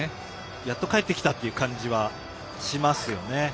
やっと帰ってきたという感じはしますよね。